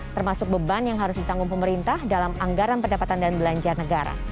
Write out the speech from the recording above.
termasuk beban yang harus ditanggung pemerintah dalam anggaran pendapatan dan belanja negara